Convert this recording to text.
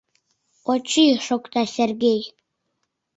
— Очи, — шокта Сергей.